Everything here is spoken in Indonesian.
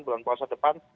bulan puasa depan